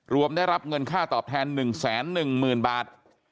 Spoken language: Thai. ได้รับเงินค่าตอบแทน๑๑๐๐๐บาท